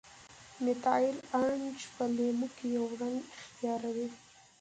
میتایل ارنج په لیمو کې یو رنګ اختیاروي.